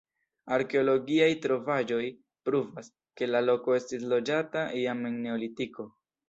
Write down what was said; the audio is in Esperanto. Arkeologiaj trovaĵoj pruvas, ke la loko estis loĝata jam en Neolitiko.